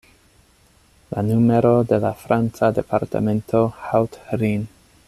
La numero de la franca departemento Haut-Rhin.